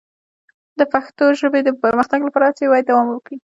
د پښتو ژبې د پرمختګ لپاره هڅې باید دوام وکړي.